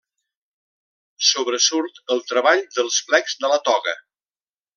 Sobresurt el treball dels plecs de la toga.